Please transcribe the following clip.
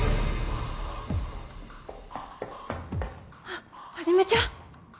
あっはじめちゃん？